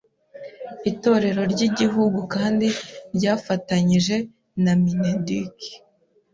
Itorero ry’Igihugu kandi ryafatanije na MINEDUC